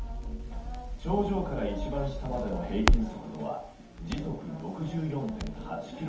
頂上から一番下までの平均速度は時速６４．８ｋｍ。